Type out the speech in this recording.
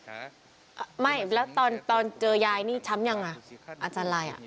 ฮะไม่แล้วตอนตอนเจอยายนี่ช้ำยังอ่ะอาจารย์ลายอ่ะ